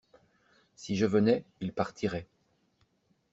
Si je venais, il partirait.